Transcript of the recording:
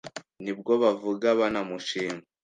ni bwo bavuga banamushima